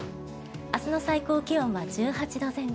明日の最高気温は１８度前後。